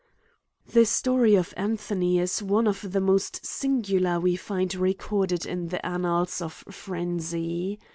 185 The story of Anthony is one of the most sin« galar we find recorded in the annals of Fren zy.